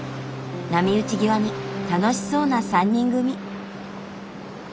波打ち際に楽しそうな３人組。